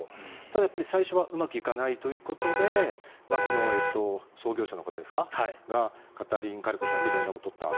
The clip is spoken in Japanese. ただ、最初はうまくいかないということでこの創業者の方がカタリン・カリコさんに連絡を取った。